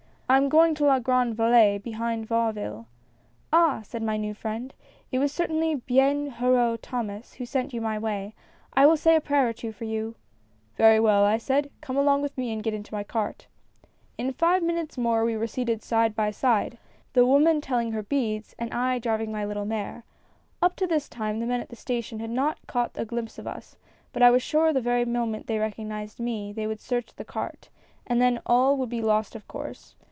I am going to La Grande Valine, behind Vauville.' "' Ah !' said my new friend, ' it was certainly fiien heureux Thomas who sent you my way ; I will say a prayer or two for you !'"' Very well !' I said, ' come along with me and get into my cart.' " In five minutes more we were seated side by side. 26 A FISH SUPPER. the woman telling her beads and I driving my little mare. Up to this time the men at the station had not caught a glimpse of us; but I was sure the very moment they recognized me, they would search the cart, and then all would be lost of course.